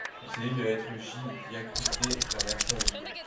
Il s'agit de la lettre J diacritée d'un accent aigu.